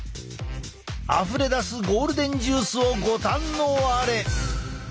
あふれ出すゴールデンジュースをご堪能あれ！